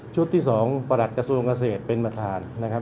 ชุดที่สองประหลักกระทรวงเกษตรเป็นประทาน